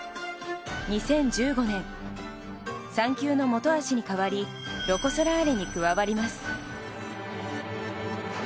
２０１５年、産休の本橋に代わりロコ・ソラーレに加わります。